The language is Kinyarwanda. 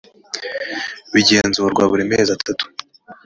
bigenzurwa buri mezi atatu